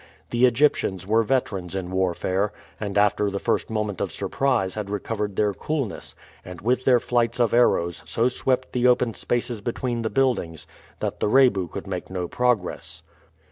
The Egyptians were veterans in warfare, and after the first moment of surprise had recovered their coolness, and with their flights of arrows so swept the open spaces between the buildings that the Rebu could make no progress.